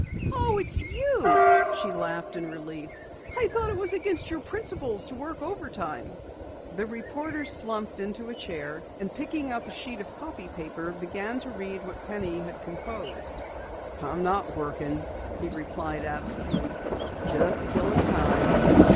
"Oh, it's you!" she laughed in relief. "I thought it was against your principles to work overtime." The reporter slumped into a chair, and picking up a sheet of copy paper, began to read what Penny had composed. "I'm not working," he replied absently. "Just killing time."